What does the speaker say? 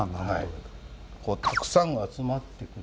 たくさん集まってくる。